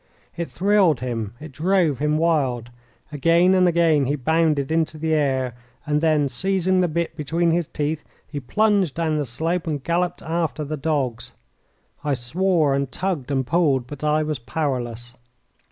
It thrilled him. It drove him wild. Again and again he bounded into the air, and then, seizing the bit between his teeth, he plunged down the slope and galloped after the dogs. I swore, and tugged, and pulled, but I was powerless.